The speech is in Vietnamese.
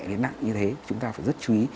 đến nặng như thế chúng ta phải rất chú ý